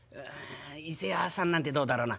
「いせ屋さんなんてどうだろうな？」。